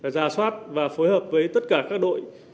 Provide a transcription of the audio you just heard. giả soát và phối hợp với tất cả các đội